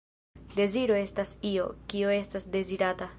Deziro estas io, kio estas dezirata.